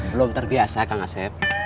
belum terbiasa kang asep